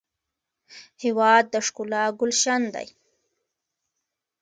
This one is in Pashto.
هېواد د ښکلا ګلشن دی.